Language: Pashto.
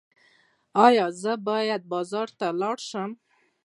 ایا زه باید بازار ته لاړ شم؟